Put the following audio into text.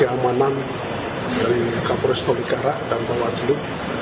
keamanan dari kapolres tolikara dan bawaslu